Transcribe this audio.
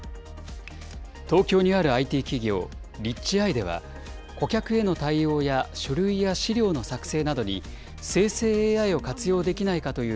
東京にあるＩＴ企業、Ｒｉｄｇｅーｉでは顧客への対応や書類や資料の作成などに生成ＡＩを活用できないかという